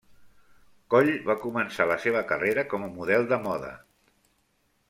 Coll Va començar la seva carrera com a model de moda.